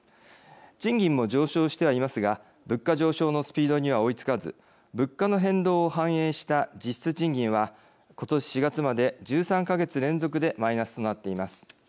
賃金も上昇してはいますが物価上昇のスピードには追いつかず物価の変動を反映した実質賃金は今年４月まで１３か月連続でマイナスとなっています。